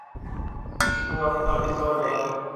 اس میں اپنا حصہ ڈالیں۔